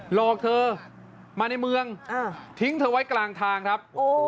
หลอกเธอมาในเมืองทิ้งเธอไว้กลางทางครับ